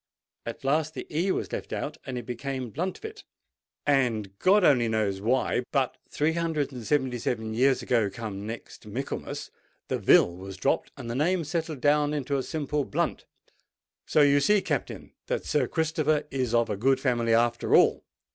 At last the e was left out, and it became Bluntvil; and God only knows why, but three hundred and seventy seven years ago, come next Michaelmas, the vil was dropped, and the name settled down into simple Blunt. So you see, Captain, that Sir Christopher is of a good family after all."